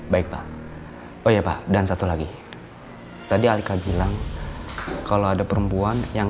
baik pak oh iya pak dan satu lagi tadi alika bilang kalau ada perempuan yang